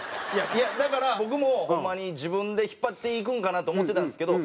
いやだから僕もホンマに自分で引っ張っていくんかなと思ってたんですけど